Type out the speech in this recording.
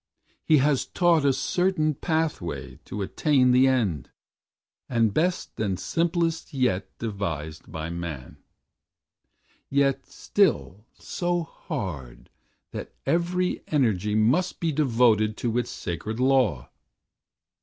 He has taught A certain pathway to attain the End; And best and simplest yet devised by man, Yet still so hard that every energy Must be devoted to its sacred law.